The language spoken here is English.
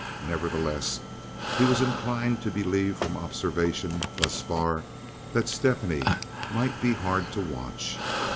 Nevertheless, he was inclined to believe from observation thus far that Stephanie might be hard to watch.